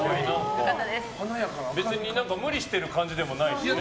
別に無理してる感じでもないし。